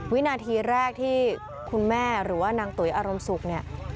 วินาทีแรกที่คุณแม่หรือว่านางตุ๋ยอารมณ์สุขเนี่ย